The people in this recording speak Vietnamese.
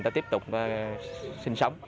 người ta tiếp tục sinh sống